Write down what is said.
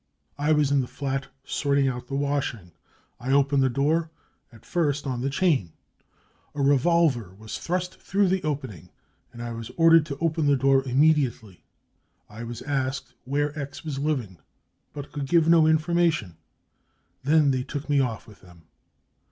I was in the flat sorting out the washing. I opened the door, at first on the chain. A revolver was thrust through the opening, and I was ordered to open the door imme diately. I was asked where 4 X 5 was living, but could give no information. Then they took me off with them.